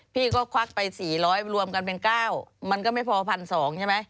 พี่ก็ควักไป๔๐๐รวมกันเป็น๙มันก็ไม่พอ๑๒๐๐ใช่ไหม